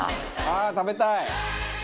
ああ食べたい！